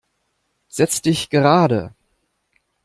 Setzt dich gerade!